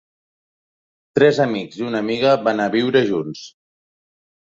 Tres amics i una amiga van a viure junts.